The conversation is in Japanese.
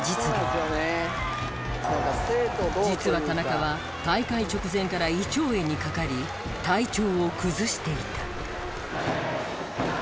実は田中は大会直前から胃腸炎にかかり体調を崩していた。